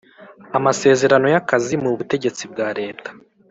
amasezerano ya kazi mu butegetsi bwa leta